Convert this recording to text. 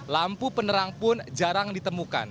lampu penerang pun jarang ditemukan